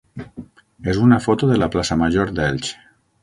és una foto de la plaça major d'Elx.